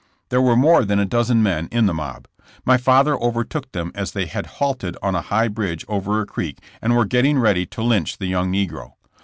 There were more than a dozen men in the mob. My father overtook them as they had halted on a high bridge over a creek and were getting ready to lynch the young negro.